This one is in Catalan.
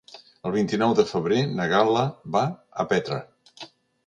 El vint-i-nou de febrer na Gal·la va a Petra.